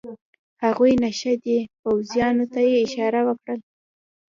هغوی نشه دي، پوځیانو ته یې اشاره وکړل.